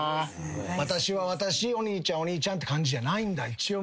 私は私お兄ちゃんはお兄ちゃんって感じじゃないんだ？